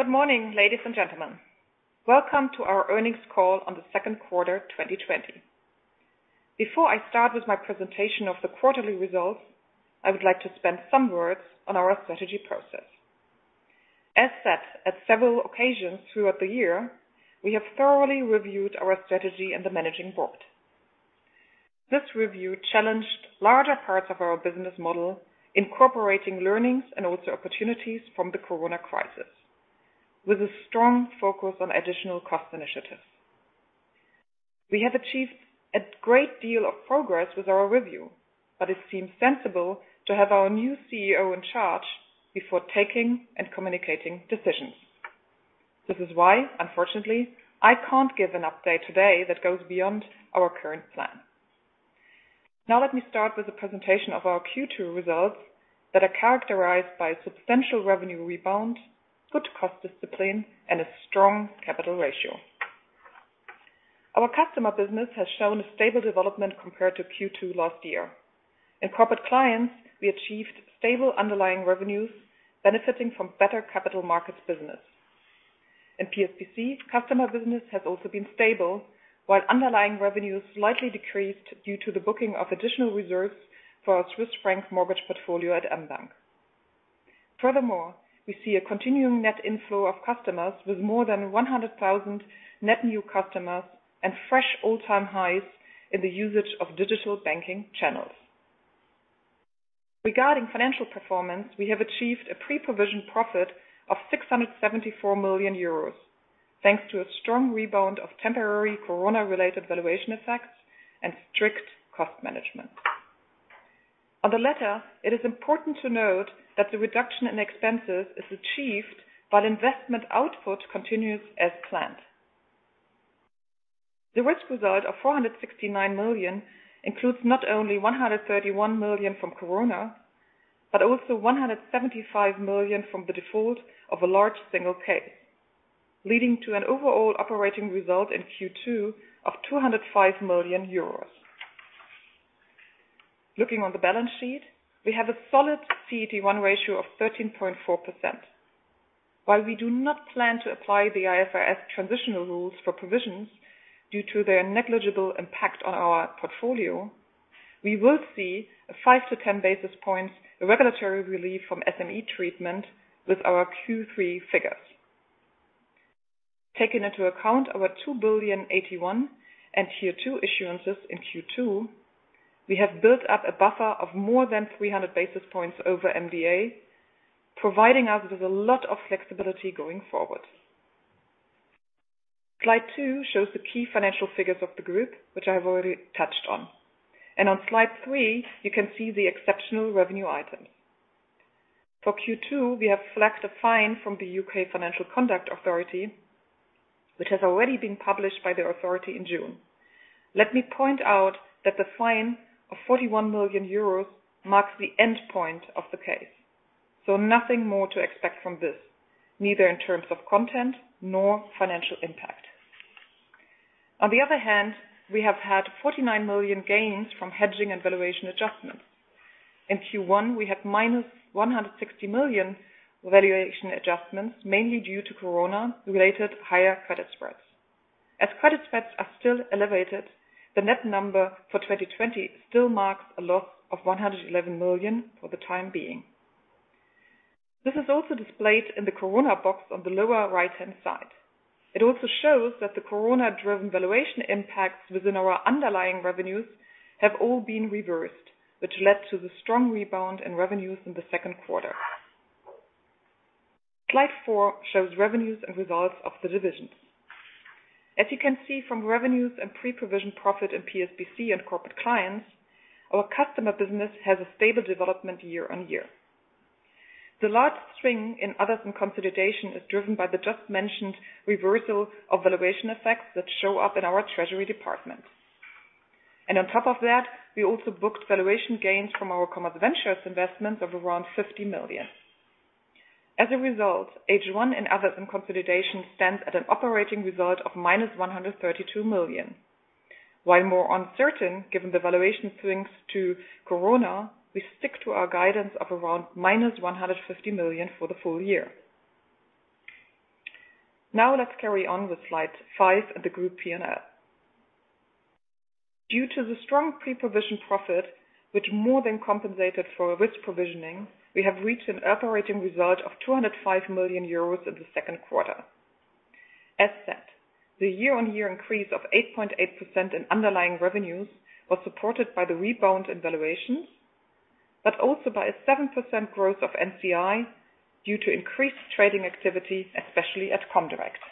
Good morning, ladies and gentlemen. Welcome to our earnings call on the Q2 2020. Before I start with my presentation of the quarterly results, I would like to spend some words on our strategy process. As said at several occasions throughout the year, we have thoroughly reviewed our strategy and the managing board. This review challenged larger parts of our business model, incorporating learnings and also opportunities from the corona crisis, with a strong focus on additional cost initiatives. We have achieved a great deal of progress with our review, but it seems sensible to have our new CEO in charge before taking and communicating decisions. This is why, unfortunately, I can't give an update today that goes beyond our current plan. Now let me start with a presentation of our Q2 results that are characterized by a substantial revenue rebound, good cost discipline, and a strong capital ratio. Our customer business has shown a stable development compared to Q2 last year. In corporate clients, we achieved stable underlying revenues, benefiting from better capital markets business. In PSPC, customer business has also been stable, while underlying revenues slightly decreased due to the booking of additional reserves for our Swiss franc mortgage portfolio at mBank. Furthermore, we see a continuing net inflow of customers with more than 100,000 net new customers and fresh all-time highs in the usage of digital banking channels. Regarding financial performance, we have achieved a pre-provision profit of 674 million euros, thanks to a strong rebound of temporary corona-related valuation effects and strict cost management. On the latter, it is important to note that the reduction in expenses is achieved while investment output continues as planned. The risk result of 469 million includes not only 131 million from corona, but also 175 million from the default of a large single case, leading to an overall operating result in Q2 of 205 million euros. Looking on the balance sheet, we have a solid CET1 ratio of 13.4%. While we do not plan to apply the IFRS transitional rules for provisions due to their negligible impact on our portfolio, we will see a 5 to 10 basis points regulatory relief from SME treatment with our Q3 figures. Taking into account our 2 billion AT1 and Tier 2 issuances in Q2, we have built up a buffer of more than 300 basis points over MDA, providing us with a lot of flexibility going forward. Slide two shows the key financial figures of the group, which I have already touched on. On slide three, you can see the exceptional revenue items. For Q2, we have flagged a fine from the U.K. Financial Conduct Authority, which has already been published by the authority in June. Let me point out that the fine of 41 million euros marks the end point of the case, so nothing more to expect from this, neither in terms of content nor financial impact. On the other hand, we have had 49 million gains from hedging and valuation adjustments. In Q1, we had minus 160 million valuation adjustments, mainly due to corona-related higher credit spreads. As credit spreads are still elevated, the net number for 2020 still marks a loss of 111 million for the time being. This is also displayed in the corona box on the lower right-hand side. It also shows that the corona-driven valuation impacts within our underlying revenues have all been reversed, which led to the strong rebound in revenues in the Q2. Slide 4 shows revenues and results of the divisions. As you can see from revenues and pre-provision profit in PSPC and corporate clients, our customer business has a stable development year on year. The large swing in others in consolidation is driven by the just-mentioned reversal of valuation effects that show up in our treasury department, and on top of that, we also booked valuation gains from our CommerzVentures investments of around 50 million. As a result, AT1 in others in consolidation stands at an operating result of -132 million. While more uncertain given the valuation swings to corona, we stick to our guidance of around -150 million for the full year. Now let's carry on with slide 5 of the group P&L. Due to the strong pre-provision profit, which more than compensated for risk provisioning, we have reached an operating result of 205 million euros in the Q2. As said, the year-on-year increase of 8.8% in underlying revenues was supported by the rebound in valuations, but also by a 7% growth of NCI due to increased trading activity, especially at Comdirect.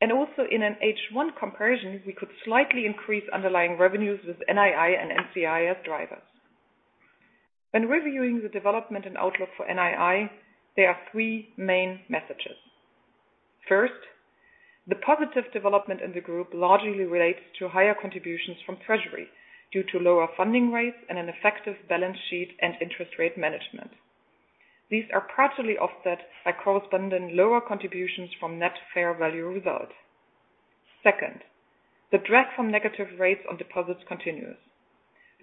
And also in an AT1 comparison, we could slightly increase underlying revenues with NII and NCI as drivers. When reviewing the development and outlook for NII, there are three main messages. First, the positive development in the group largely relates to higher contributions from treasury due to lower funding rates and an effective balance sheet and interest rate management. These are partially offset by corresponding lower contributions from net fair value result. Second, the drag from negative rates on deposits continues.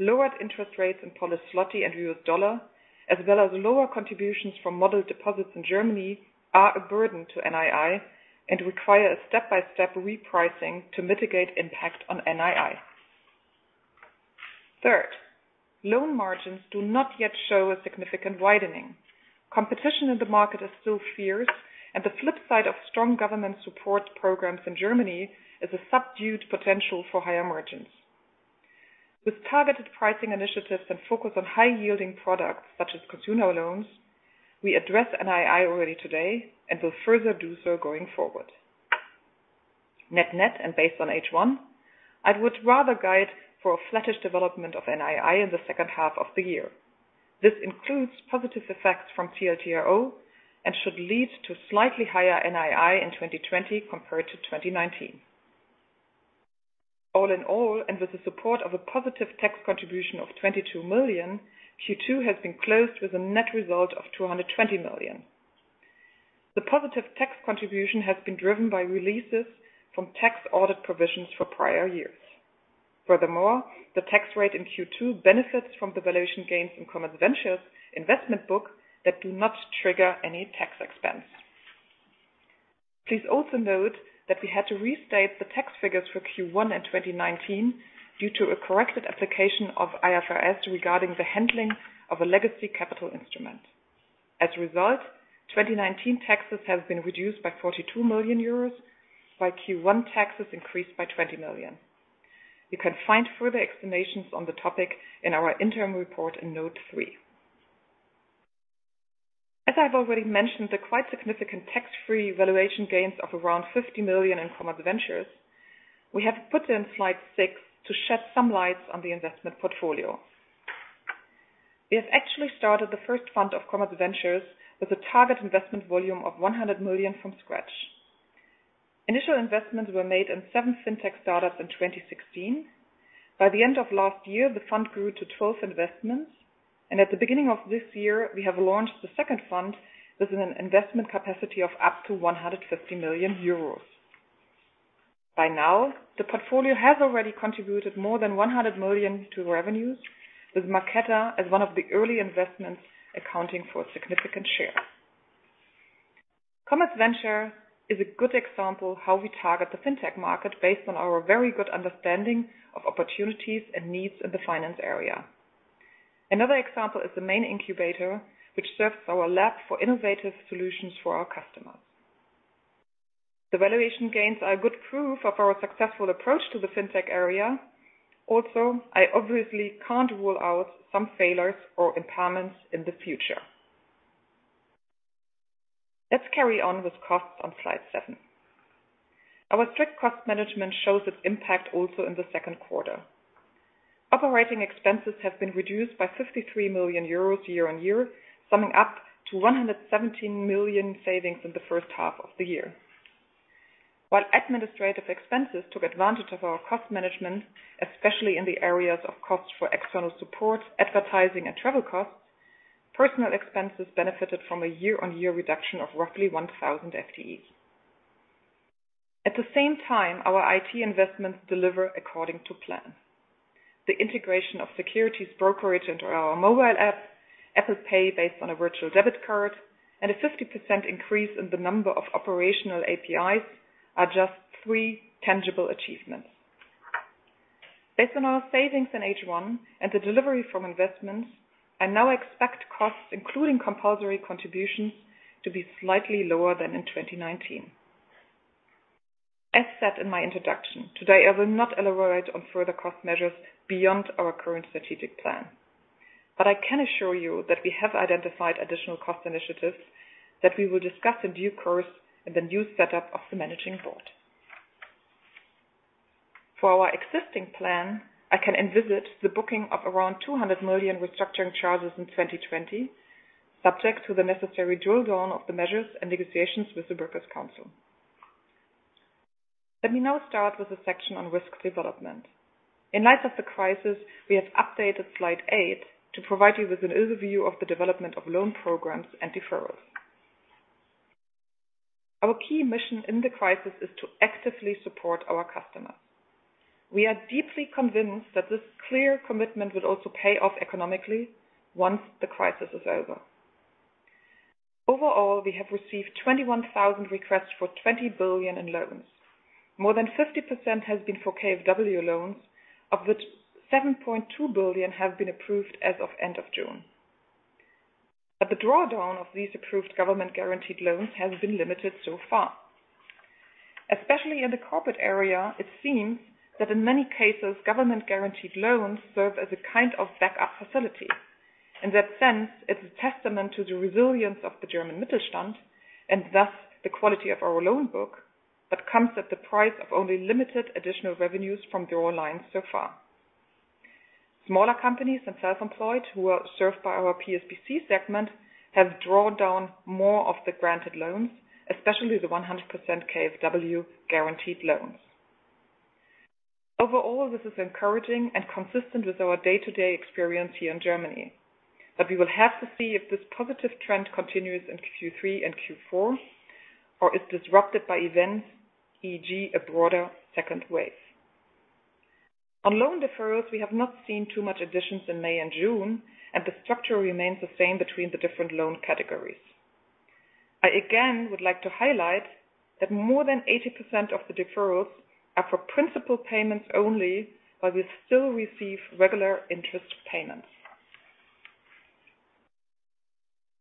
Lowered interest rates in Polish zloty and U.S. dollar, as well as lower contributions from model deposits in Germany, are a burden to NII and require a step-by-step repricing to mitigate impact on NII. Third, loan margins do not yet show a significant widening. Competition in the market is still fierce, and the flip side of strong government support programs in Germany is a subdued potential for higher margins. With targeted pricing initiatives and focus on high-yielding products such as consumer loans, we address NII already today and will further do so going forward. Net-net and based on AT1, I would rather guide for a flattish development of NII in the second half of the year. This includes positive effects from TLTRO and should lead to slightly higher NII in 2020 compared to 2019. All in all, and with the support of a positive tax contribution of 22 million, Q2 has been closed with a net result of 220 million. The positive tax contribution has been driven by releases from tax audit provisions for prior years. Furthermore, the tax rate in Q2 benefits from the valuation gains in CommerzVentures investment book that do not trigger any tax expense. Please also note that we had to restate the tax figures for Q1 and 2019 due to a corrected application of IFRS regarding the handling of a legacy capital instrument. As a result, 2019 taxes have been reduced by 42 million euros, while Q1 taxes increased by 20 million. You can find further explanations on the topic in our interim report in Note 3. As I've already mentioned, the quite significant tax-free valuation gains of around 50 million in CommerzVentures, we have put in slide 6 to shed some light on the investment portfolio. We have actually started the first fund of CommerzVentures with a target investment volume of 100 million from scratch. Initial investments were made in seven fintech startups in 2016. By the end of last year, the fund grew to 12 investments, and at the beginning of this year, we have launched the second fund with an investment capacity of up to 150 million euros. By now, the portfolio has already contributed more than 100 million to revenues, with Marqeta as one of the early investments accounting for a significant share. CommerzVentures is a good example of how we target the fintech market based on our very good understanding of opportunities and needs in the finance area. Another example is the Main Incubator, which serves our lab for innovative solutions for our customers. The valuation gains are good proof of our successful approach to the fintech area. Also, I obviously can't rule out some failures or impairments in the future. Let's carry on with costs on slide 7. Our strict cost management shows its impact also in the Q2. Operating expenses have been reduced by 53 million euros year on year, summing up to 117 million savings in the first half of the year. While administrative expenses took advantage of our cost management, especially in the areas of costs for external support, advertising, and travel costs, personal expenses benefited from a year-on-year reduction of roughly 1,000 FTE. At the same time, our IT investments deliver according to plan. The integration of securities brokerage into our mobile app, Apple Pay based on a virtual debit card, and a 50% increase in the number of operational APIs are just three tangible achievements. Based on our savings in AT1 and the delivery from investments, I now expect costs, including compulsory contributions, to be slightly lower than in 2019. As said in my introduction, today I will not elaborate on further cost measures beyond our current strategic plan. But I can assure you that we have identified additional cost initiatives that we will discuss in due course in the new setup of the managing board. For our existing plan, I can envisage the booking of around 200 million restructuring charges in 2020, subject to the necessary drill-down of the measures and negotiations with the workers' council. Let me now start with a section on risk development. In light of the crisis, we have updated slide eight to provide you with an overview of the development of loan programs and deferrals. Our key mission in the crisis is to actively support our customers. We are deeply convinced that this clear commitment will also pay off economically once the crisis is over. Overall, we have received 21,000 requests for 20 billion in loans. More than 50% has been for KfW loans, of which 7.2 billion have been approved as of end of June. But the drawdown of these approved government-guaranteed loans has been limited so far. Especially in the corporate area, it seems that in many cases, government-guaranteed loans serve as a kind of backup facility. In that sense, it's a testament to the resilience of the German Mittelstand and thus the quality of our loan book, but comes at the price of only limited additional revenues from draw lines so far. Smaller companies and self-employed who are served by our PSPC segment have drawn down more of the granted loans, especially the 100% KfW guaranteed loans. Overall, this is encouraging and consistent with our day-to-day experience here in Germany. But we will have to see if this positive trend continues in Q3 and Q4, or is disrupted by events, e.g., a broader second wave. On loan deferrals, we have not seen too much additions in May and June, and the structure remains the same between the different loan categories. I again would like to highlight that more than 80% of the deferrals are for principal payments only, but we still receive regular interest payments.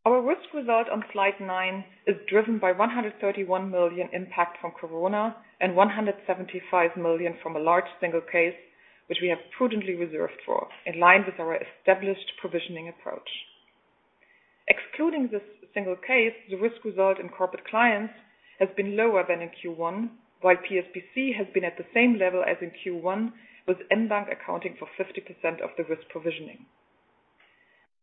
Our risk result on slide nine is driven by 131 million impact from corona and 175 million from a large single case, which we have prudently reserved for, in line with our established provisioning approach. Excluding this single case, the risk result in Corporate Clients has been lower than in Q1, while PSPC has been at the same level as in Q1, with mBank accounting for 50% of the risk provisioning.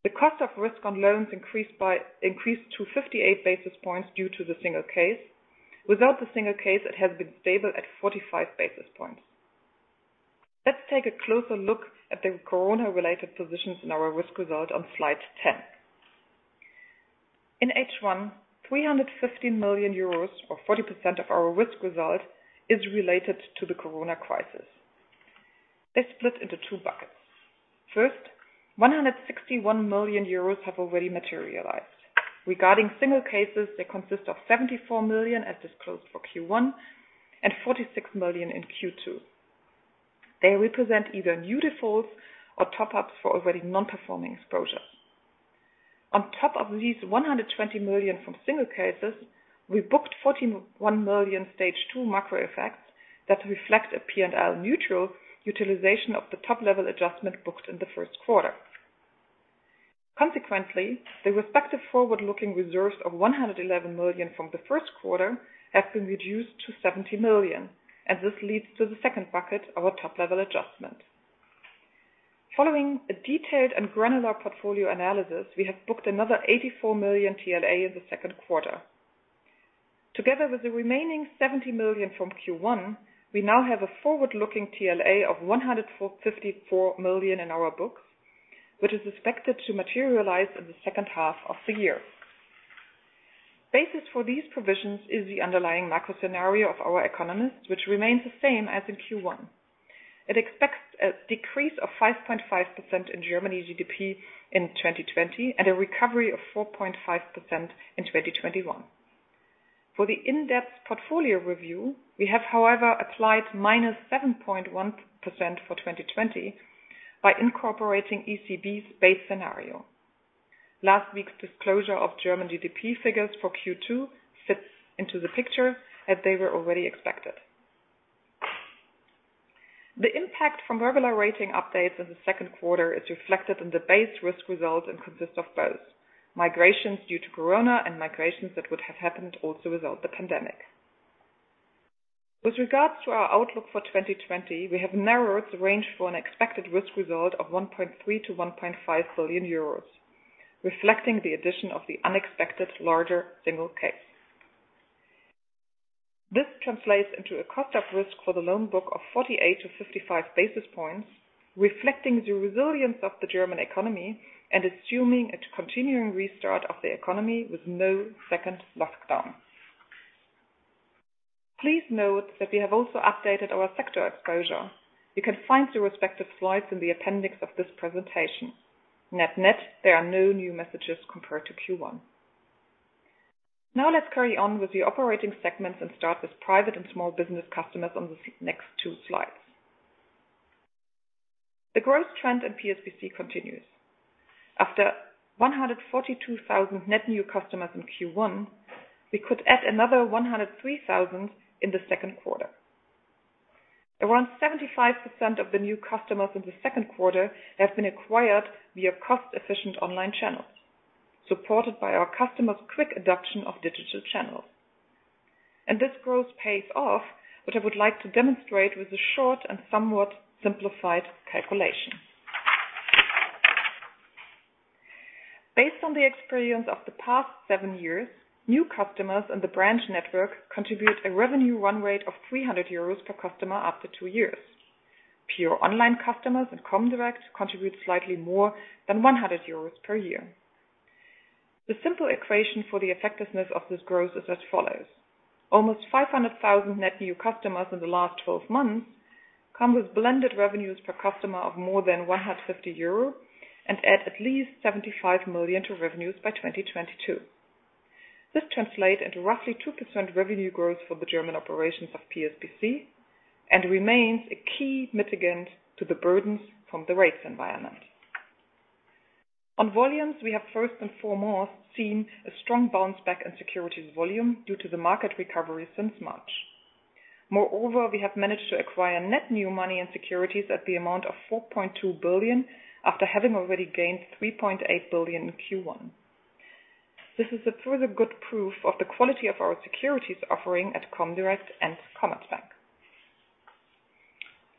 The cost of risk on loans increased to 58 basis points due to the single case. Without the single case, it has been stable at 45 basis points. Let's take a closer look at the corona-related positions in our risk result on slide 10. In AT1, 315 million euros, or 40% of our risk result, is related to the corona crisis. They split into two buckets. First, 161 million euros have already materialized. Regarding single cases, they consist of 74 million as disclosed for Q1 and 46 million in Q2. They represent either new defaults or top-ups for already non-performing exposures. On top of these 120 million from single cases, we booked 41 million stage 2 macro effects that reflect a P&L neutral utilization of the top-level adjustment booked in the first quarter. Consequently, the respective forward-looking reserves of 111 million from the first quarter have been reduced to 70 million, and this leads to the second bucket, our top-level adjustment. Following a detailed and granular portfolio analysis, we have booked another 84 million TLA in the Q2. Together with the remaining 70 million from Q1, we now have a forward-looking TLA of 154 million in our books, which is expected to materialize in the second half of the year. Basis for these provisions is the underlying macro scenario of our economists, which remains the same as in Q1. It expects a decrease of 5.5% in Germany's GDP in 2020 and a recovery of 4.5% in 2021. For the in-depth portfolio review, we have, however, applied minus 7.1% for 2020 by incorporating ECB's base scenario. Last week's disclosure of German GDP figures for Q2 fits into the picture as they were already expected. The impact from regular rating updates in the Q2 is reflected in the base risk result and consists of both migrations due to corona and migrations that would have happened also without the pandemic. With regards to our outlook for 2020, we have narrowed the range for an expected risk result of 1.3 billion-1.5 billion euros, reflecting the addition of the unexpected larger single case. This translates into a cost of risk for the loan book of 48-55 basis points, reflecting the resilience of the German economy and assuming a continuing restart of the economy with no second lockdown. Please note that we have also updated our sector exposure. You can find the respective slides in the appendix of this presentation. Net-net, there are no new messages compared to Q1. Now let's carry on with the operating segments and start with private and small business customers on the next two slides. The growth trend in PSPC continues. After 142,000 net new customers in Q1, we could add another 103,000 in the Q2. Around 75% of the new customers in the Q2 have been acquired via cost-efficient online channels, supported by our customers' quick adoption of digital channels. This growth pays off, but I would like to demonstrate with a short and somewhat simplified calculation. Based on the experience of the past seven years, new customers in the branch network contribute a revenue run rate of 300 euros per customer after two years. Pure online customers and Comdirect contribute slightly more than 100 euros per year. The simple equation for the effectiveness of this growth is as follows. Almost 500,000 net new customers in the last 12 months come with blended revenues per customer of more than 150 euro and add at least 75 million to revenues by 2022. This translates into roughly 2% revenue growth for the German operations of PSPC and remains a key mitigant to the burdens from the rates environment. On volumes, we have first and foremost seen a strong bounce back in securities volume due to the market recovery since March. Moreover, we have managed to acquire net new money in securities at the amount of 4.2 billion after having already gained 3.8 billion in Q1. This is a further good proof of the quality of our securities offering at Comdirect and Commerzbank.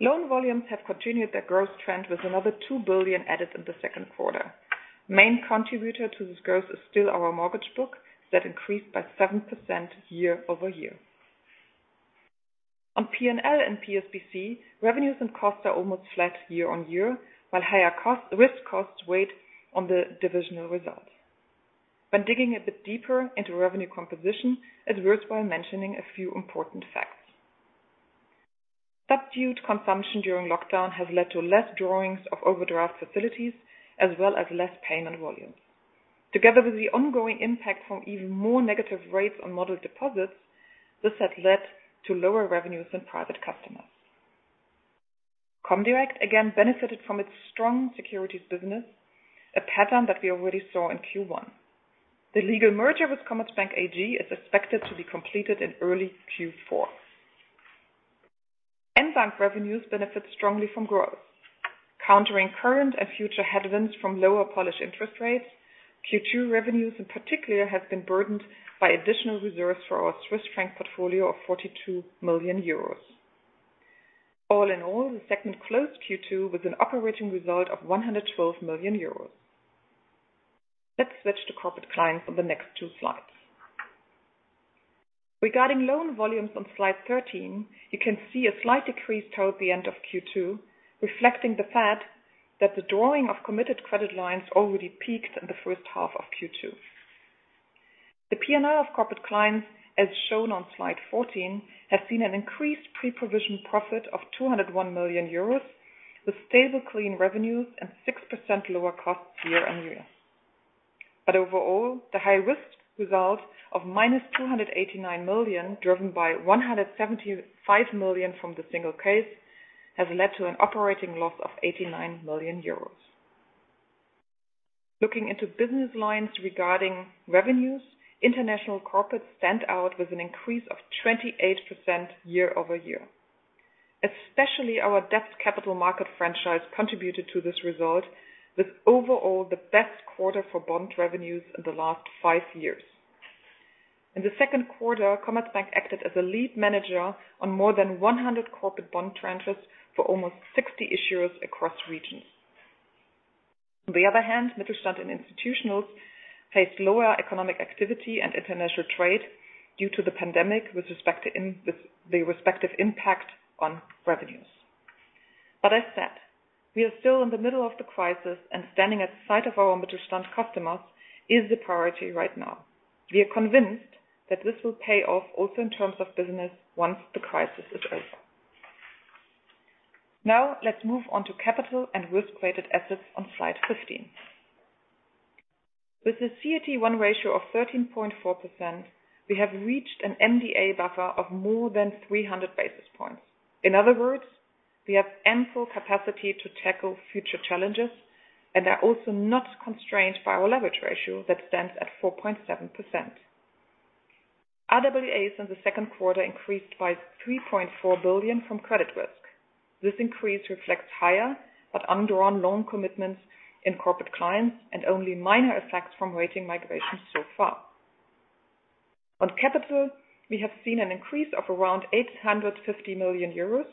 Loan volumes have continued their growth trend with another 2 billion added in the Q2. Main contributor to this growth is still our mortgage book that increased by 7% year over year. On P&L in PSPC, revenues and costs are almost flat year on year, while higher risk costs weigh on the divisional result. When digging a bit deeper into revenue composition, it's worthwhile mentioning a few important facts. Subdued consumption during lockdown has led to less drawings of overdraft facilities, as well as less payment volumes. Together with the ongoing impact from even more negative rates on model deposits, this has led to lower revenues in private customers. Comdirect again benefited from its strong securities business, a pattern that we already saw in Q1. The legal merger with Commerzbank AG is expected to be completed in early Q4. mBank revenues benefit strongly from growth. Countering current and future headwinds from lower Polish interest rates, Q2 revenues in particular have been burdened by additional reserves for our Swiss franc portfolio of 42 million euros. All in all, the segment closed Q2 with an operating result of 112 million euros. Let's switch to corporate clients on the next two slides. Regarding loan volumes on slide 13, you can see a slight decrease toward the end of Q2, reflecting the fact that the drawing of committed credit lines already peaked in the first half of Q2. The P&L of Corporate Clients, as shown on slide 14, has seen an increased pre-provision profit of 201 million euros, with stable clean revenues and 6% lower costs year on year. But overall, the high risk result of minus 289 million, driven by 175 million from the single case, has led to an operating loss of 89 million euros. Looking into business lines regarding revenues, international corporates stand out with an increase of 28% year over year. Especially our debt capital market franchise contributed to this result, with overall the best quarter for bond revenues in the last five years. In the Q2, Commerzbank acted as a lead manager on more than 100 corporate bond transfers for almost 60 issuers across regions. On the other hand, Mittelstand and institutionals faced lower economic activity and international trade due to the pandemic with respect to the respective impact on revenues. But as said, we are still in the middle of the crisis, and standing at the side of our Mittelstand customers is the priority right now. We are convinced that this will pay off also in terms of business once the crisis is over. Now let's move on to capital and risk-weighted assets on slide 15. With the CET1 ratio of 13.4%, we have reached an MDA buffer of more than 300 basis points. In other words, we have ample capacity to tackle future challenges and are also not constrained by our leverage ratio that stands at 4.7%. RWAs in the Q2 increased by 3.4 billion from credit risk. This increase reflects higher but undrawn loan commitments in corporate clients and only minor effects from rating migration so far. On capital, we have seen an increase of around 850 million euros.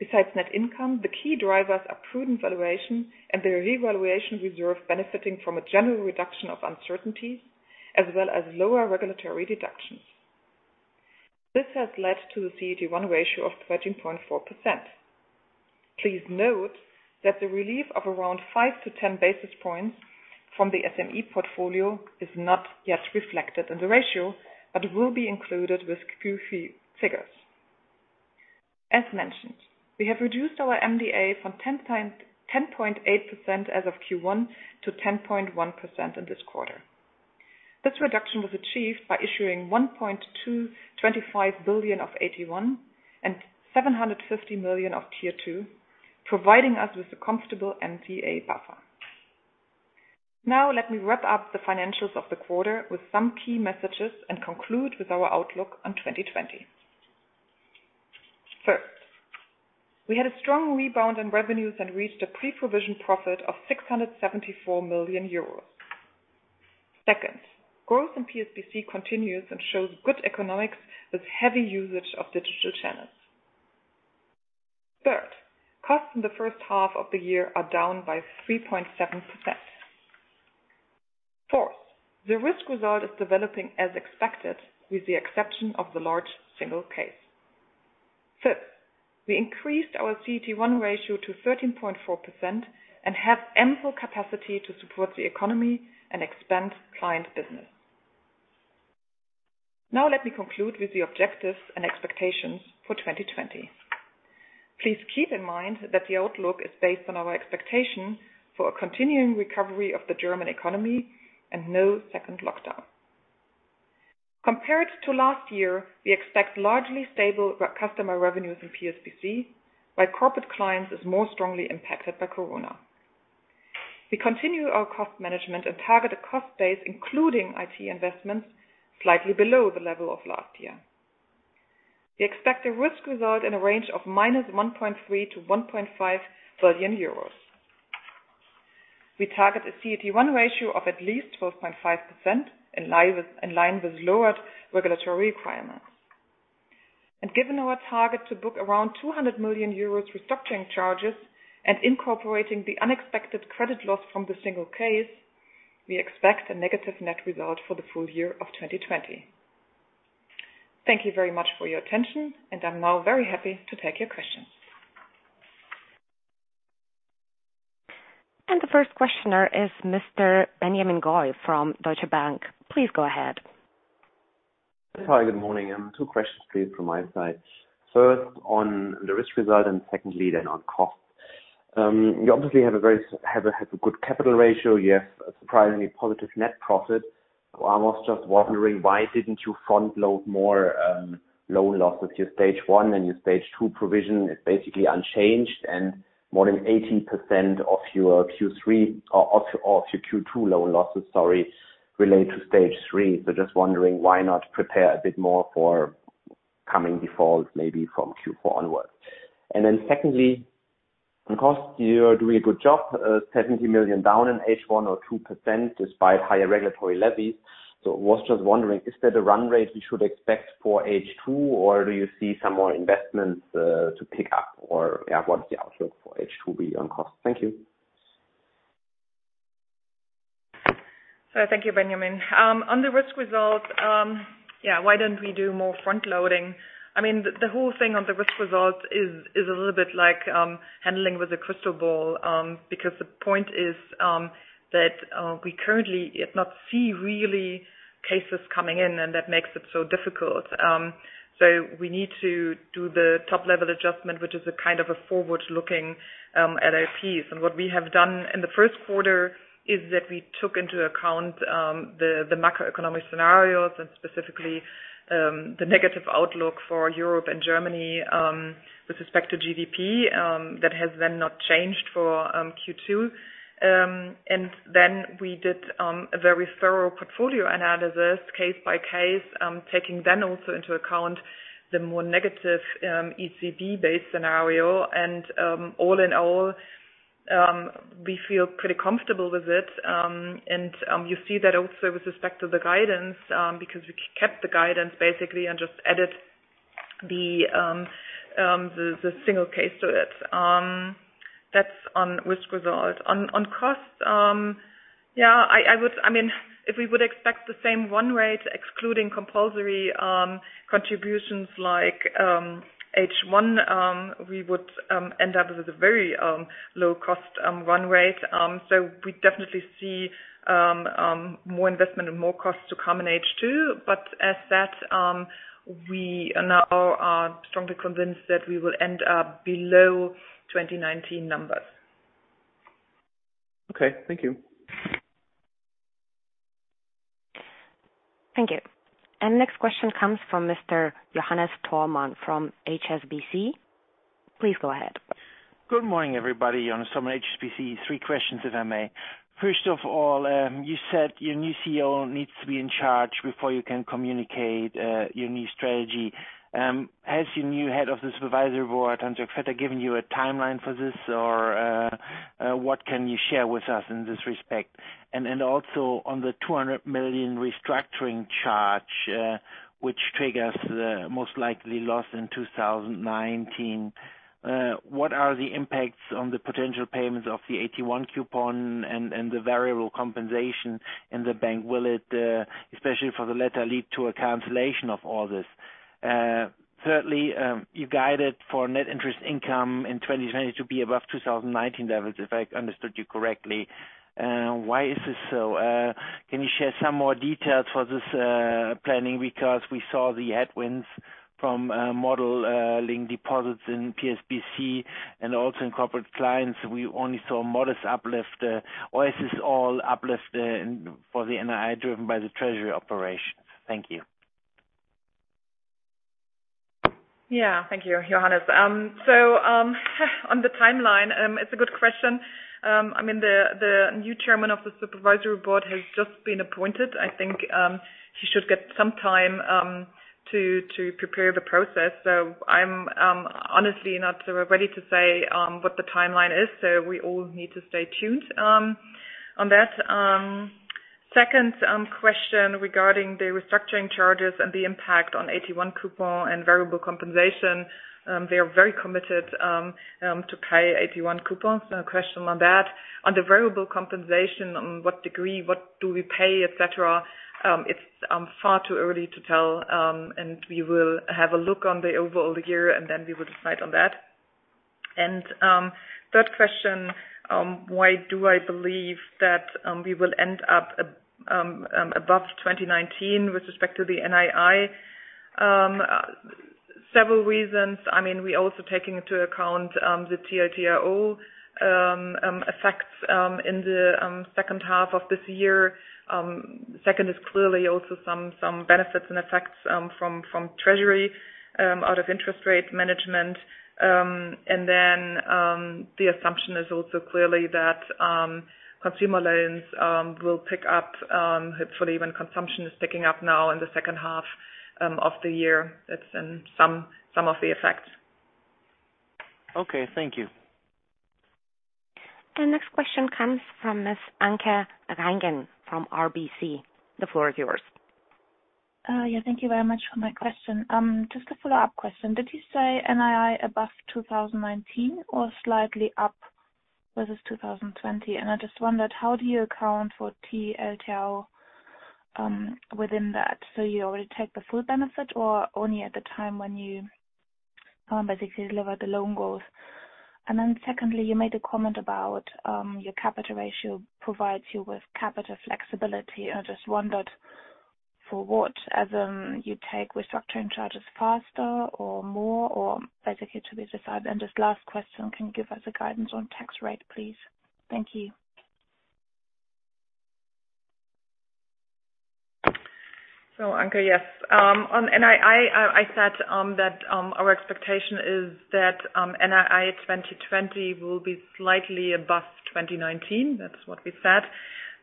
Besides net income, the key drivers are prudent valuation and the revaluation reserve benefiting from a general reduction of uncertainties, as well as lower regulatory deductions. This has led to the CET1 ratio of 13.4%. Please note that the relief of around 5-10 basis points from the SME portfolio is not yet reflected in the ratio, but will be included with Q3 figures. As mentioned, we have reduced our MDA from 10.8% as of Q1 to 10.1% in this quarter. This reduction was achieved by issuing 1.225 billion of AT1 and 750 million of tier 2, providing us with a comfortable MDA buffer. Now let me wrap up the financials of the quarter with some key messages and conclude with our outlook on 2020. First, we had a strong rebound in revenues and reached a pre-provision profit of 674 million euros. Second, growth in PSPC continues and shows good economics with heavy usage of digital channels. Third, costs in the first half of the year are down by 3.7%. Fourth, the risk result is developing as expected, with the exception of the large single case. Fifth, we increased our CET1 ratio to 13.4% and have ample capacity to support the economy and expand client business. Now let me conclude with the objectives and expectations for 2020. Please keep in mind that the outlook is based on our expectation for a continuing recovery of the German economy and no second lockdown. Compared to last year, we expect largely stable customer revenues in PSPC, while corporate clients are more strongly impacted by corona. We continue our cost management and target a cost base, including IT investments, slightly below the level of last year. We expect a risk result in a range of minus 1.3 billion-1.5 billion euros. We target a CET1 ratio of at least 12.5% in line with lowered regulatory requirements, and given our target to book around 200 million euros restructuring charges and incorporating the unexpected credit loss from the single case, we expect a negative net result for the full year of 2020. Thank you very much for your attention, and I'm now very happy to take your questions. and the first questioner is Mr. Benjamin Goy from Deutsche Bank. Please go ahead. Hi, good morning. Two questions, please, from my side. First, on the risk result, and secondly, then on costs. You obviously have a good capital ratio. You have a surprisingly positive net profit. I was just wondering, why didn't you front-load more loan losses? Your stage one and your stage two provision is basically unchanged, and more than 80% of your Q3 or of your Q2 loan losses, sorry, relate to stage three. So just wondering, why not prepare a bit more for coming defaults, maybe from Q4 onwards? And then secondly, on costs, you're doing a good job. 70 million down in H1, or 2% despite higher regulatory levies. So I was just wondering, is that a run rate we should expect for H2, or do you see some more investments to pick up? Or what's the outlook for H2B on costs? Thank you. So thank you, Benjamin. On the risk result, yeah, why don't we do more front-loading? I mean, the whole thing on the risk result is a little bit like handling with a crystal ball, because the point is that we currently not see really cases coming in, and that makes it so difficult. So we need to do the top-level adjustment, which is a kind of a forward-looking LLPs. And what we have done in the first quarter is that we took into account the macroeconomic scenarios and specifically the negative outlook for Europe and Germany with respect to GDP that has then not changed for Q2. And then we did a very thorough portfolio analysis, case by case, taking then also into account the more negative ECB-based scenario. And all in all, we feel pretty comfortable with it. And you see that also with respect to the guidance, because we kept the guidance basically and just added the single case to it. That's on risk result. On costs, yeah, I mean, if we would expect the same run rate, excluding compulsory contributions like H1, we would end up with a very low-cost run rate. So we definitely see more investment and more costs to come in H2. But as said, we now are strongly convinced that we will end up below 2019 numbers. Okay, thank you. Thank you. And the next question comes from Mr. Johannes Thormann from HSBC. Please go ahead. Good morning, everybody. Johannes Thormann, HSBC. Three questions, if I may. First of all, you said your new CEO needs to be in charge before you can communicate your new strategy. Has your new head of the supervisory board, Hans-Jörg Vetter, given you a timeline for this, or what can you share with us in this respect? And also on the €200 million restructuring charge, which triggers most likely loss in 2019, what are the impacts on the potential payments of the AT1 coupon and the variable compensation in the bank? Will it, especially for the latter, lead to a cancellation of all this? Thirdly, you guided for net interest income in 2020 to be above 2019 levels, if I understood you correctly. Why is this so? Can you share some more details for this planning? Because we saw the headwinds from modeling deposits in PSPC and also in corporate clients. We only saw modest uplift. Or is this all uplift for the NII driven by the treasury operations? Thank you. Yeah, thank you, Johannes. So on the timeline, it's a good question. I mean, the new chairman of the supervisory board has just been appointed. I think he should get some time to prepare the process. So I'm honestly not ready to say what the timeline is. So we all need to stay tuned on that. Second question regarding the restructuring charges and the impact on AT1 coupon and variable compensation. They are very committed to pay AT1 coupons. No question on that. On the variable compensation, on what degree, what do we pay, etc., it's far too early to tell. And we will have a look on the overall year, and then we will decide on that. And third question, why do I believe that we will end up above 2019 with respect to the NII? Several reasons. I mean, we're also taking into account the TLTRO effects in the second half of this year. Second is clearly also some benefits and effects from treasury out of interest rate management. And then the assumption is also clearly that consumer loans will pick up, hopefully when consumption is picking up now in the second half of the year. That's some of the effects. Okay, thank you. And the next question comes from Ms. Anke Reingen from RBC. The floor is yours. Yeah, thank you very much for my question. Just a follow-up question. Did you say NII above 2019 or slightly up versus 2020? And I just wondered, how do you account for TLTRO within that? So you already take the full benefit or only at the time when you basically deliver the loan goals? And then secondly, you made a comment about your capital ratio provides you with capital flexibility. I just wondered for what, as in you take restructuring charges faster or more, or basically to be decided? And this last question, can you give us a guidance on tax rate, please? Thank you. So Anke, yes. And I said that our expectation is that NII 2020 will be slightly above 2019. That's what we said.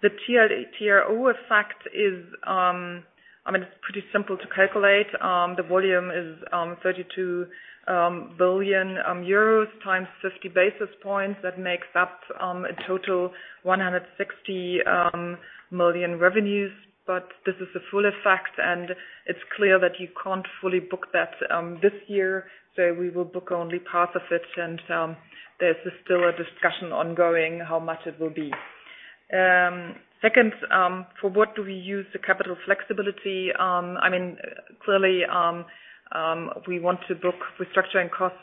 The TLTRO effect is, I mean, it's pretty simple to calculate. The volume is 32 billion euros times 50 basis points. That makes up a total 160 million revenues. But this is a full effect, and it's clear that you can't fully book that this year. So we will book only part of it. And there's still a discussion ongoing how much it will be. Second, for what do we use the capital flexibility? I mean, clearly, we want to book restructuring costs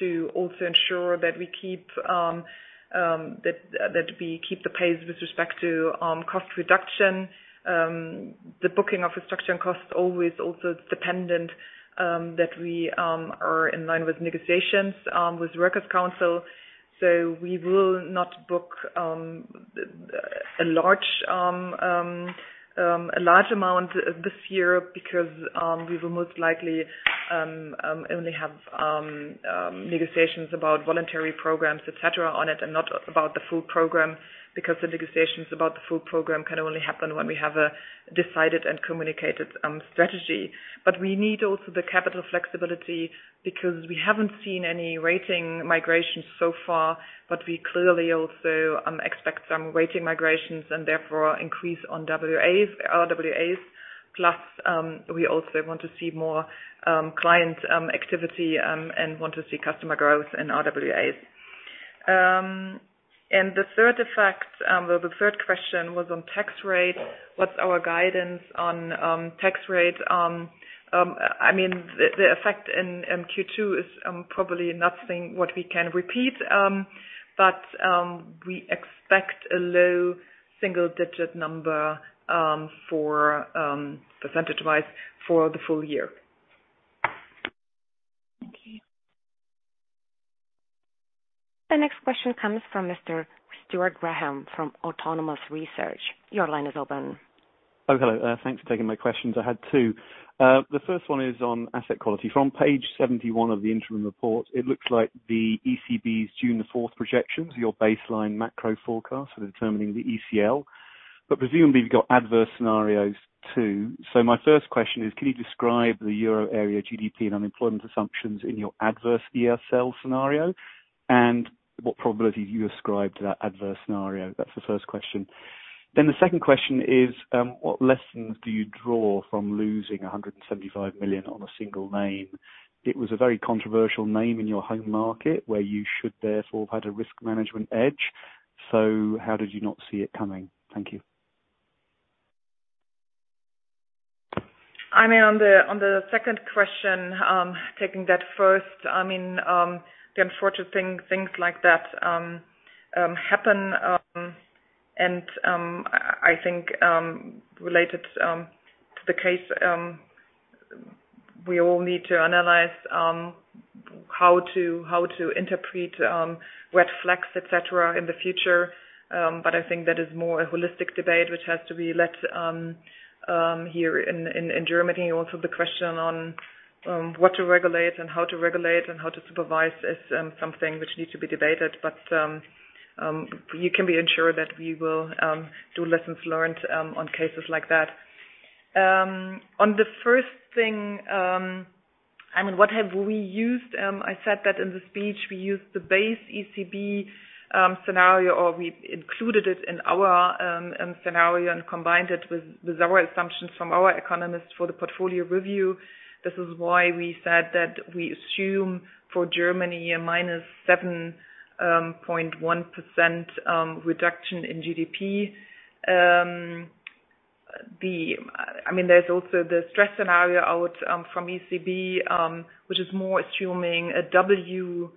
to also ensure that we keep the pace with respect to cost reduction. The booking of restructuring costs always also is dependent that we are in line with negotiations with the Workers' Council. So we will not book a large amount this year because we will most likely only have negotiations about voluntary programs, etc., on it and not about the full program, because the negotiations about the full program can only happen when we have a decided and communicated strategy. But we need also the capital flexibility because we haven't seen any rating migrations so far, but we clearly also expect some rating migrations and therefore increase on RWAs. Plus, we also want to see more client activity and want to see customer growth in RWAs. And the third effect, the third question was on tax rate. What's our guidance on tax rate? I mean, the effect in Q2 is probably nothing like what we can repeat, but we expect a low single-digit number percentag e-wise for the full year. Thank you. The next question comes from Mr. Stuart Graham from Autonomous Research. Your line is open. Hello, hello. Thanks for taking my questions. I had two. The first one is on asset quality. From page 71 of the interim report, it looks like the ECB's June 4 projections are your baseline macro forecast for determining the ECL. But presumably, we've got adverse scenarios too. So my first question is, can you describe the euro area GDP and unemployment assumptions in your adverse ECL scenario? And what probability do you ascribe to that adverse scenario? That's the first question. Then the second question is, what lessons do you draw from losing €175 million on a single name? It was a very controversial name in your home market where you should therefore have had a risk management edge, so how did you not see it coming? Thank you. I mean, on the second question, taking that first, I mean, the unfortunate things like that happen, and I think related to the case, we all need to analyze how to interpret red flags, etc., in the future, but I think that is more a holistic debate which has to be led here in Germany. Also, the question on what to regulate and how to regulate and how to supervise is something which needs to be debated, but you can be ensured that we will do lessons learned on cases like that. On the first thing, I mean, what have we used? I said that in the speech, we used the base ECB scenario, or we included it in our scenario and combined it with our assumptions from our economists for the portfolio review. This is why we said that we assume for Germany a minus 7.1% reduction in GDP. I mean, there's also the stress scenario out from ECB, which is more assuming a W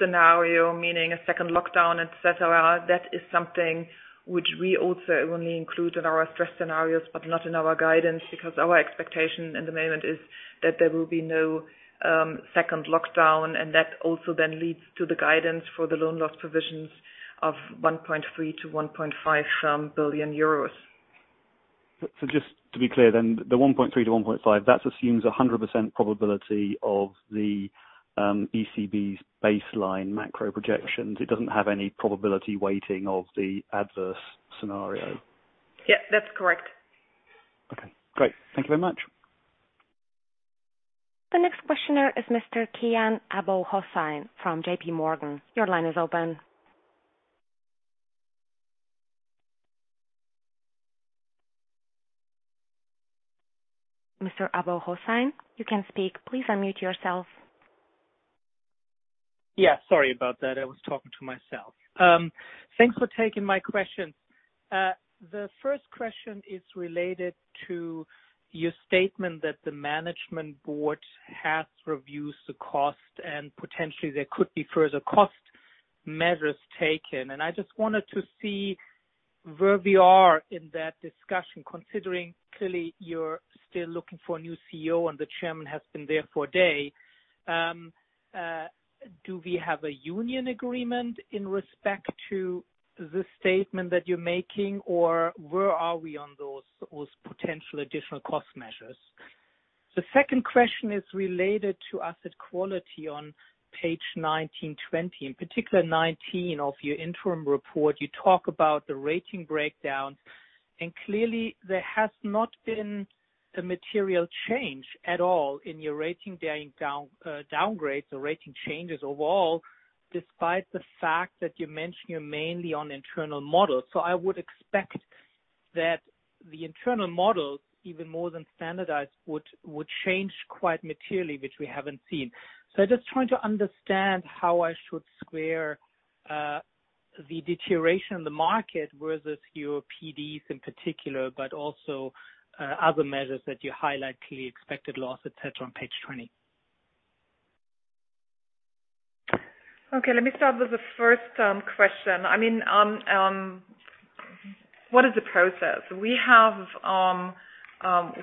scenario, meaning a second lockdown, etc. That is something which we also only include in our stress scenarios, but not in our guidance, because our expectation in the moment is that there will be no second lockdown, and that also then leads to the guidance for the loan loss provisions of 1.3 billion-1.5 billion euros, so just to be clear then, the 1.3-1.5, that assumes 100% probability of the ECB's baseline macro projections. It doesn't have any probability weighting of the adverse scenario. Yeah, that's correct. Okay, great. Thank you very much. The next questioner is Mr. Kian Abouhossein from J.P. Morgan. Your line is open. Mr. Abouhossein, you can speak. Please unmute yourself. Yeah, sorry about that. I was talking to myself. Thanks for taking my questions. The first question is related to your statement that the Management Board has reviewed the cost and potentially there could be further cost measures taken. And I just wanted to see where we are in that discussion, considering clearly you're still looking for a new CEO and the Chairman has been there for a day. Do we have a union agreement in respect to the statement that you're making, or where are we on those potential additional cost measures? The second question is related to asset quality on pages 19-20, in particular 19 of your interim report. You talk about the rating breakdowns, and clearly there has not been a material change at all in your rating downgrades or rating changes overall, despite the fact that you mentioned you're mainly on internal models. So I would expect that the internal models, even more than standardized, would change quite materially, which we haven't seen. So I'm just trying to understand how I should square the deterioration in the market versus your PDs in particular, but also other measures that you highlight, clearly expected loss, etc., on page 20. Okay, let me start with the first question. I mean, what is the process? We have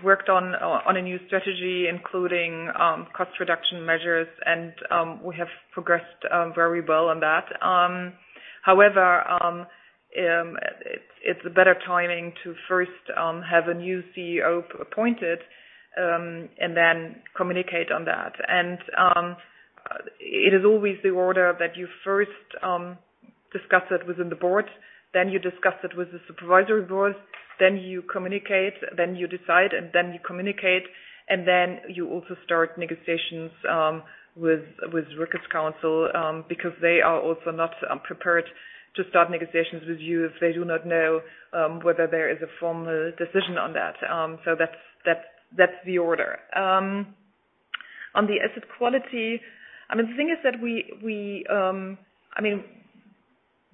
worked on a new strategy, including cost reduction measures, and we have progressed very well on that. However, it's a better timing to first have a new CEO appointed and then communicate on that. It is always the order that you first discuss it within the board, then you discuss it with the supervisory board, then you communicate, then you decide, and then you communicate, and then you also start negotiations with Workers' Council because they are also not prepared to start negotiations with you if they do not know whether there is a formal decision on that. That's the order. On the asset quality, I mean, the thing is that we, I mean,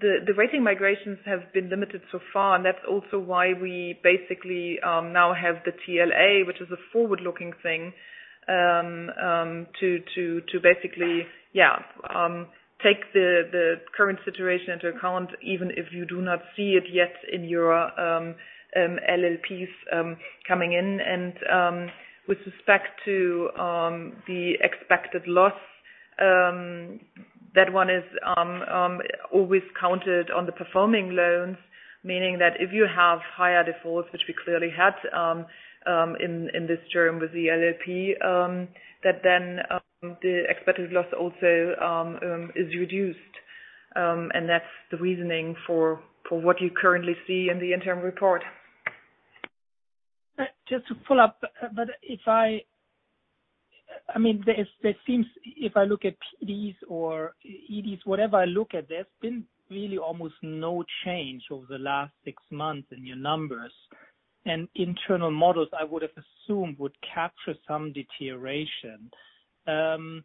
the rating migrations have been limited so far, and that's also why we basically now have the TLA, which is a forward-looking thing to basically, yeah, take the current situation into account, even if you do not see it yet in your LLPs coming in. With respect to the expected loss, that one is always counted on the performing loans, meaning that if you have higher defaults, which we clearly had in this term with the LLP, that then the expected loss also is reduced. That's the reasoning for what you currently see in the interim report. Just to follow up, but if I mean, if I look at PDs or EDs, whatever I look at, there's been really almost no change over the last six months in your numbers. Internal models, I would have assumed, would capture some deterioration. Am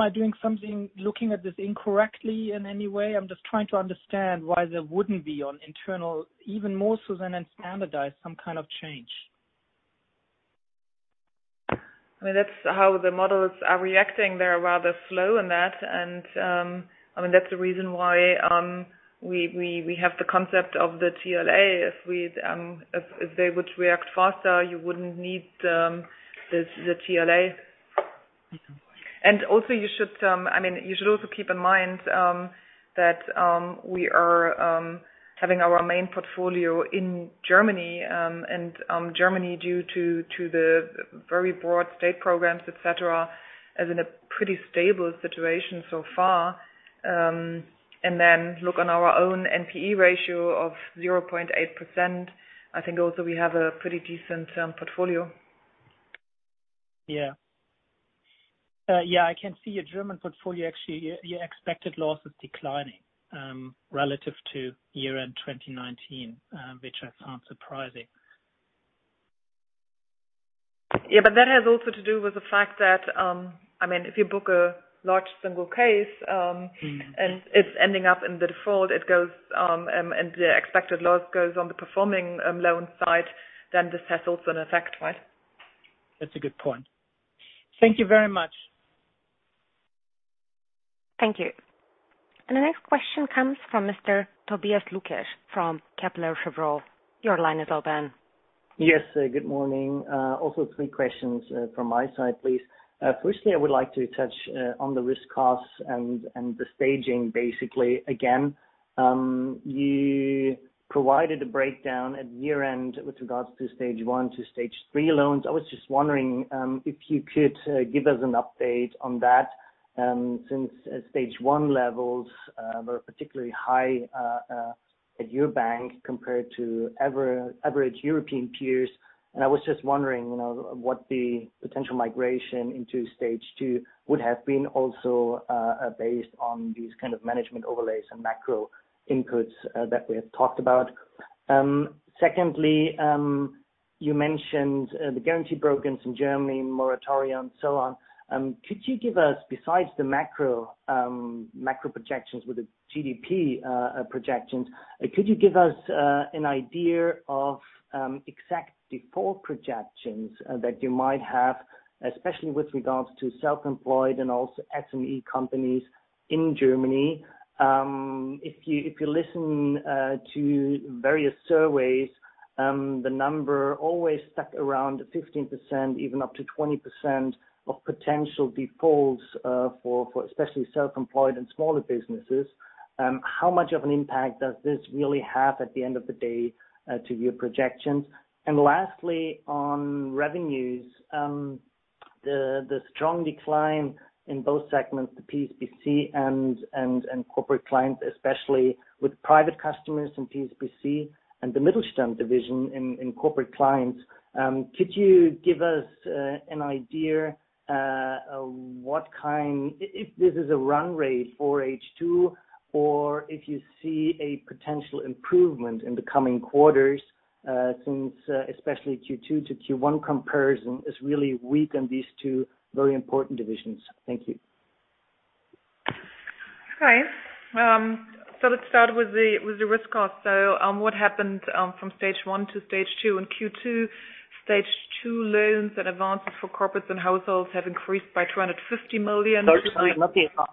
I doing something looking at this incorrectly in any way? I'm just trying to understand why there wouldn't be on internal, even more so than in standardized, some kind of change. I mean, that's how the models are reacting. They're rather slow in that. And I mean, that's the reason why we have the concept of the TLA. If they would react faster, you wouldn't need the TLA. And also, I mean, you should also keep in mind that we are having our main portfolio in Germany, and Germany, due to the very broad state programs, etc., is in a pretty stable situation so far. And then look on our own NPE ratio of 0.8%. I think also we have a pretty decent portfolio. Yeah. Yeah, I can see your German portfolio, actually. Your expected loss is declining relative to year-end 2019, which I found surprising. Yeah, but that has also to do with the fact that, I mean, if you book a large single case and it's ending up in the default and the expected loss goes on the performing loan side, then this has also an effect, right? That's a good point. Thank you very much. Thank you. And the next question comes from Mr. Tobias Lukesch from Kepler Cheuvreux. Your line is open. Yes, good morning. Also, three questions from my side, please. Firstly, I would like to touch on the risk costs and the staging, basically. Again, you provided a breakdown at year-end with regards to stage one to stage three loans. I was just wondering if you could give us an update on that, since stage one levels were particularly high at your bank compared to average European peers. And I was just wondering what the potential migration into stage two would have been also based on these kind of management overlays and macro inputs that we have talked about. Secondly, you mentioned the guarantee programs in Germany, moratorium, and so on. Could you give us, besides the macro projections with the GDP projections, could you give us an idea of exact default projections that you might have, especially with regards to self-employed and also SME companies in Germany? If you listen to various surveys, the number always stuck around 15%-20% of potential defaults for especially self-employed and smaller businesses. How much of an impact does this really have at the end of the day to your projections? And lastly, on revenues, the strong decline in both segments, the PSPC and Corporate Clients, especially with private customers and PSPC and the Mittelstand division in Corporate Clients. Could you give us an idea of what kind, if this is a run rate for H2, or if you see a potential improvement in the coming quarters, since especially Q2 to Q1 comparison is really weak on these two very important divisions? Thank you. Okay. So let's start with the risk costs. So what happened from stage one to stage two in Q2? Stage two loans and advances for corporates and households have increased by 250 million. Sorry, sorry.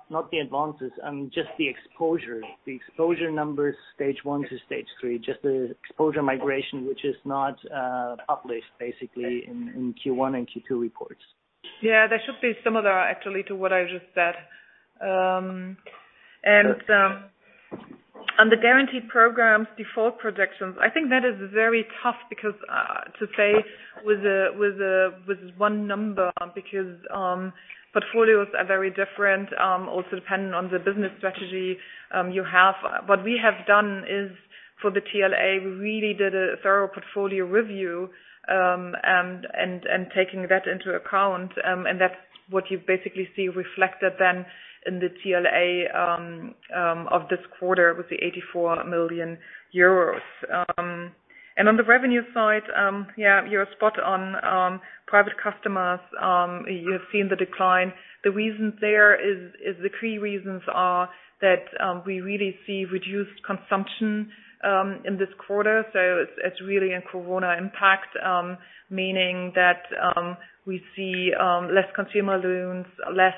Not the advances, just the exposure. The exposure numbers, stage one to stage three, just the exposure migration, which is not published, basically, in Q1 and Q2 reports. Yeah, there should be similar actually to what I just said. And on the guarantee programs, default projections, I think that is very tough to say with one number because portfolios are very different, also dependent on the business strategy you have. What we have done is, for the TLA, we really did a thorough portfolio review and taking that into account. And that's what you basically see reflected then in the TLA of this quarter with the 84 million euros. And on the revenue side, yeah, you're spot on. Private customers, you have seen the decline. The reason there is the three reasons are that we really see reduced consumption in this quarter. So it's really a corona impact, meaning that we see less consumer loans, less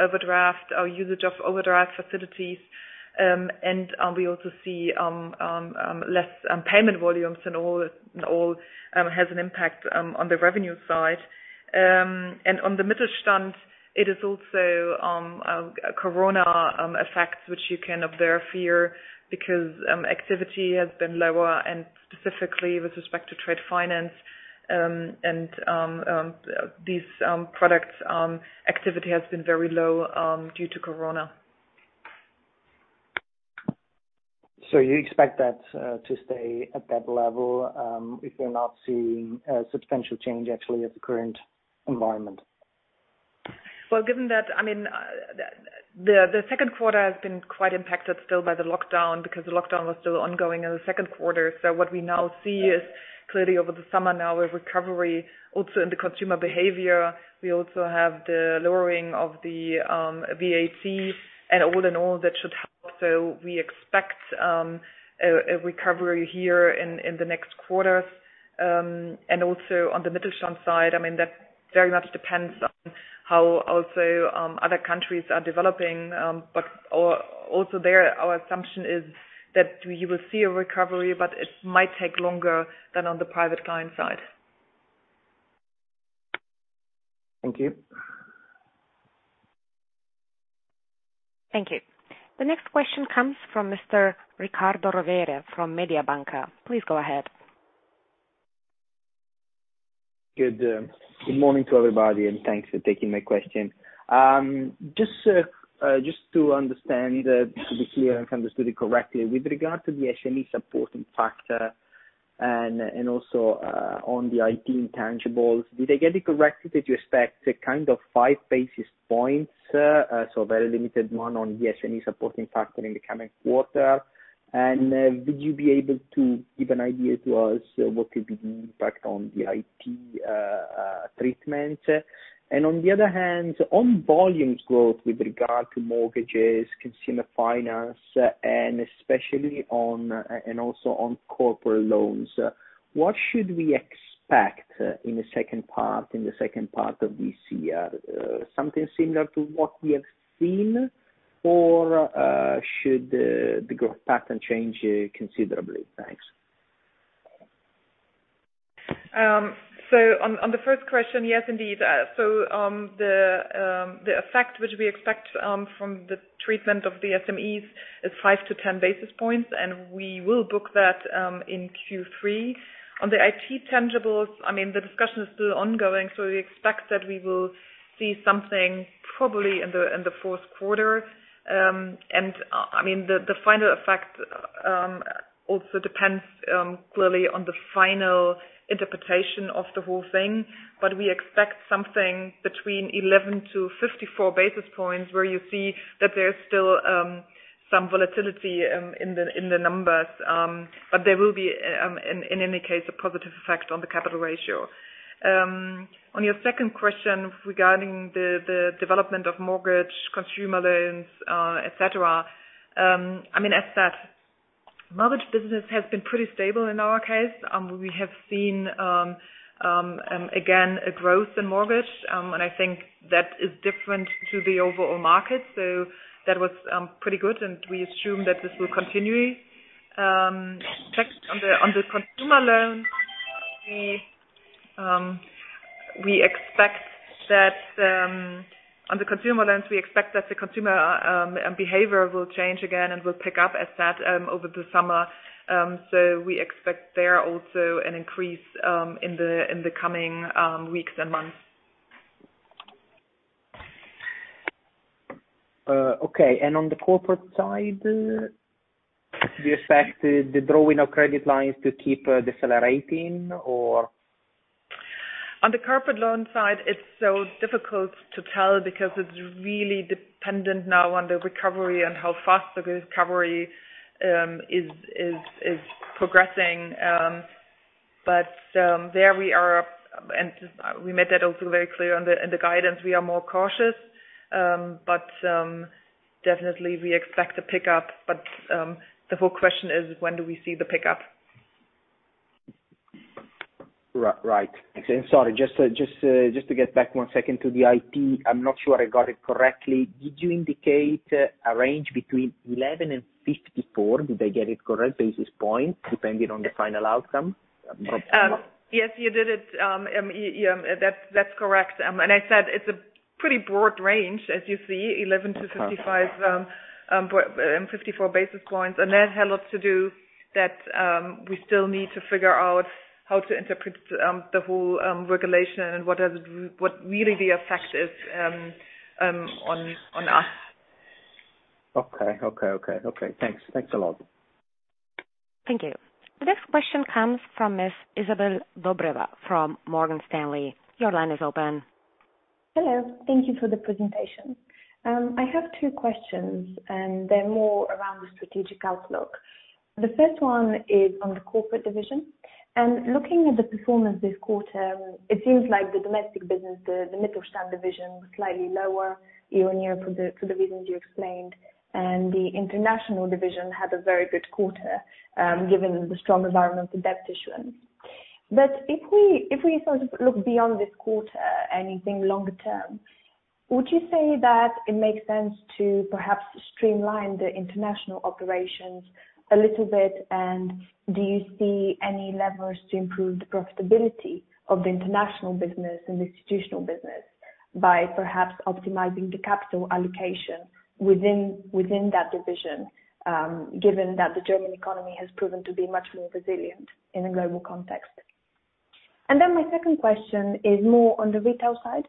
overdraft, or usage of overdraft facilities. And we also see less payment volumes, and all has an impact on the revenue side. And on the Mittelstand, it is also corona effects, which you can observe here because activity has been lower, and specifically with respect to trade finance. And these products, activity has been very low due to corona. So you expect that to stay at that level if you're not seeing a substantial change actually at the current environment? Well, given that, I mean, the Q2 has been quite impacted still by the lockdown because the lockdown was still ongoing in the Q2. So what we now see is clearly over the summer now, a recovery also in the consumer behavior. We also have the lowering of the VAT, and all in all, that should help. So we expect a recovery here in the next quarters. And also on the Mittelstand side, I mean, that very much depends on how also other countries are developing. But also there, our assumption is that you will see a recovery, but it might take longer than on the private client side. Thank you. Thank you. The next question comes from Mr. Riccardo Rovere from Mediobanca. Please go ahead. Good morning to everybody, and thanks for taking my question. Just to understand, to be clear and to understand it correctly, with regard to the SME supporting factor and also on the IT intangibles, did I get it correctly? Did you expect kind of five basis points, so a very limited one on the SME supporting factor in the coming quarter? And would you be able to give an idea to us what could be the impact on the IT treatment? And on the other hand, on volumes growth with regard to mortgages, consumer finance, and especially on corporate loans, what should we expect in the second part of this year? Something similar to what we have seen, or should the growth pattern change considerably? Thanks. So on the first question, yes, indeed. The effect which we expect from the treatment of the SMEs is 5-10 basis points, and we will book that in Q3. On the intangibles, I mean, the discussion is still ongoing, so we expect that we will see something probably in the fourth quarter. And I mean, the final effect also depends clearly on the final interpretation of the whole thing, but we expect something between 11 to 54 basis points, where you see that there's still some volatility in the numbers. But there will be, in any case, a positive effect on the capital ratio. On your second question regarding the development of mortgage, consumer loans, etc., I mean, as said, mortgage business has been pretty stable in our case. We have seen, again, a growth in mortgage, and I think that is different to the overall market. That was pretty good, and we assume that this will continue. On the consumer loans, we expect that the consumer behavior will change again and will pick up, as said, over the summer. So we expect there also an increase in the coming weeks and months. Okay. And on the corporate side, do you expect the drawing of credit lines to keep decelerating, or? On the corporate loan side, it's so difficult to tell because it's really dependent now on the recovery and how fast the recovery is progressing. But there we are, and we made that also very clear in the guidance. We are more cautious, but definitely we expect a pickup. But the whole question is, when do we see the pickup? Right. Sorry, just to get back one second to the IT. I'm not sure I got it correctly. Did you indicate a range between 11 and 54? Did I get it correct? Basis points depending on the final outcome? Yes, you did it. That's correct. And I said it's a pretty broad range, as you see, 11-55 basis points. And that had a lot to do that we still need to figure out how to interpret the whole regulation and what really the effect is on us. Okay. Thanks a lot. Thank you. The next question comes from Ms. Izabel Dobreva from Morgan Stanley. Your line is open. Hello. Thank you for the presentation. I have two questions, and they're more around the strategic outlook. The first one is on the corporate division. Looking at the performance this quarter, it seems like the domestic business, the Mittelstand division, was slightly lower year-on-year for the reasons you explained. And the international division had a very good quarter given the strong environment of debt issuance. But if we sort of look beyond this quarter, anything longer term, would you say that it makes sense to perhaps streamline the international operations a little bit? And do you see any levers to improve the profitability of the international business and the institutional business by perhaps optimizing the capital allocation within that division, given that the German economy has proven to be much more resilient in a global context? And then my second question is more on the retail side.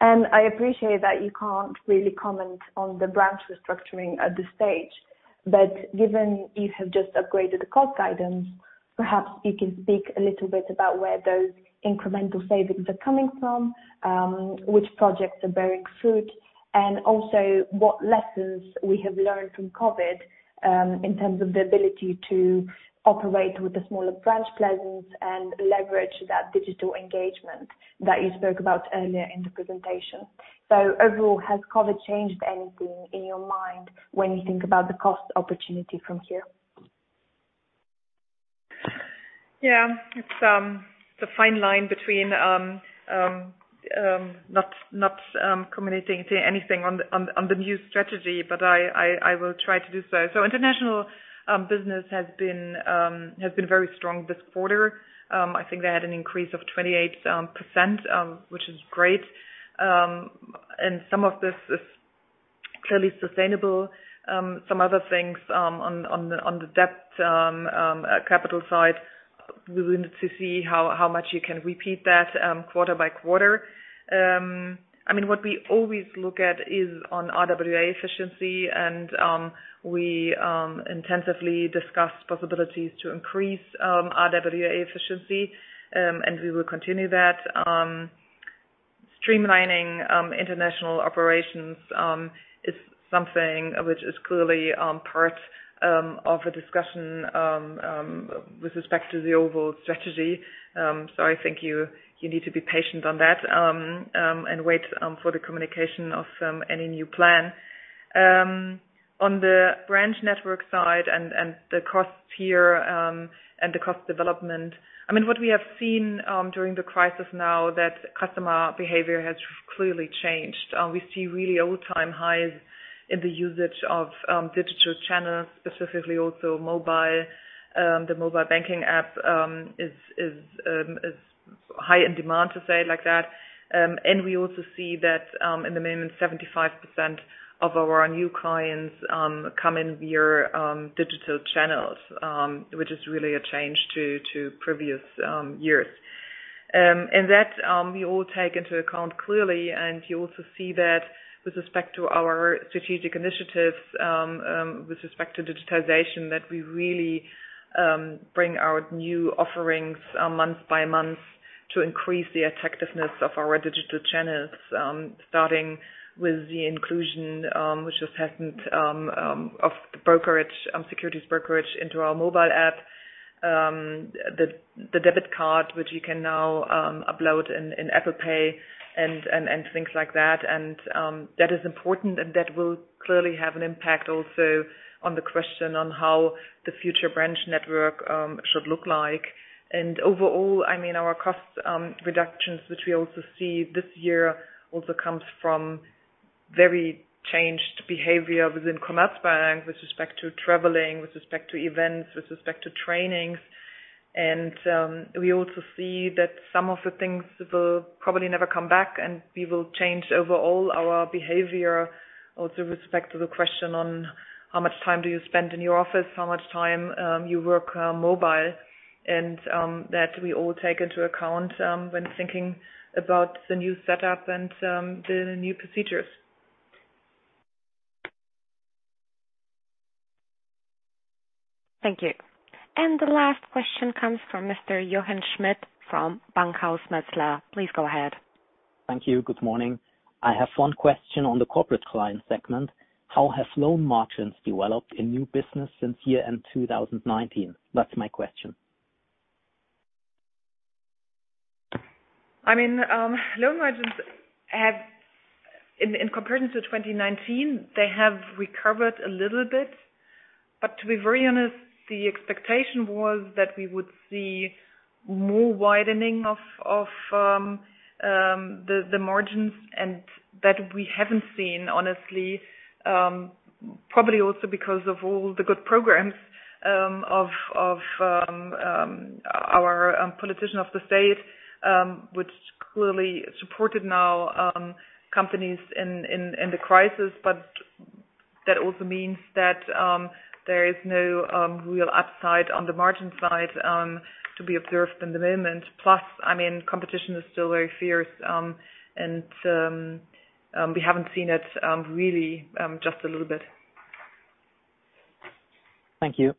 And I appreciate that you can't really comment on the branch restructuring at this stage, but given you have just upgraded the cost items, perhaps you can speak a little bit about where those incremental savings are coming from, which projects are bearing fruit, and also what lessons we have learned from COVID in terms of the ability to operate with the smaller branch presence and leverage that digital engagement that you spoke about earlier in the presentation. So overall, has COVID changed anything in your mind when you think about the cost opportunity from here? Yeah. It's a fine line between not commenting anything on the new strategy, but I will try to do so. So international business has been very strong this quarter. I think they had an increase of 28%, which is great. And some of this is clearly sustainable. Some other things on the debt capital side, we will need to see how much you can repeat that quarter by quarter. I mean, what we always look at is on RWA efficiency, and we intensively discussed possibilities to increase RWA efficiency, and we will continue that. Streamlining international operations is something which is clearly part of a discussion with respect to the overall strategy. So I think you need to be patient on that and wait for the communication of any new plan. On the branch network side and the costs here and the cost development, I mean, what we have seen during the crisis now, that customer behavior has clearly changed. We see really all-time highs in the usage of digital channels, specifically also mobile. The mobile banking app is highly in demand, to say it like that. And we also see that at a minimum 75% of our new clients come in via digital channels, which is really a change to previous years. And that we all take into account clearly. And you also see that with respect to our strategic initiatives, with respect to digitization, that we really bring our new offerings month by month to increase the effectiveness of our digital channels, starting with the inclusion, which just happened, of the brokerage, securities brokerage into our mobile app, the debit card, which you can now upload in Apple Pay and things like that. And that is important, and that will clearly have an impact also on the question on how the future branch network should look like. And overall, I mean, our cost reductions, which we also see this year, also comes from very changed behavior within Commerzbank with respect to traveling, with respect to events, with respect to trainings. And we also see that some of the things will probably never come back, and we will change overall our behavior also with respect to the question on how much time do you spend in your office, how much time you work mobile, and that we all take into account when thinking about the new setup and the new procedures. Thank you. And the last question comes from Mr. Jochen Schmitt from Bankhaus Metzler. Please go ahead. Thank you. Good morning. I have one question on the corporate client segment. How have loan margins developed in new business since year-end 2019? That's my question. I mean, loan margins have, in comparison to 2019, they have recovered a little bit. But to be very honest, the expectation was that we would see more widening of the margins, and that we haven't seen, honestly, probably also because of all the good programs of our politicians of the state, which clearly supported now companies in the crisis. But that also means that there is no real upside on the margin side to be observed in the moment. Plus, I mean, competition is still very fierce, and we haven't seen it really just a little bit. Thank you.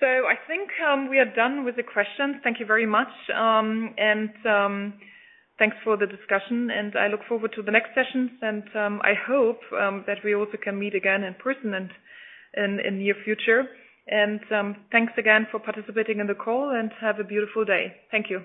So I think we are done with the questions. Thank you very much, and thanks for the discussion, and I look forward to the next sessions, and I hope that we also can meet again in person in the near future. And thanks again for participating in the call, and have a beautiful day. Thank you.